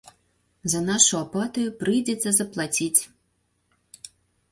За нашу апатыю прыйдзецца заплаціць.